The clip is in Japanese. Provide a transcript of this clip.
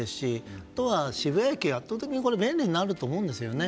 あとは渋谷駅、これで圧倒的に便利になると思うんですね。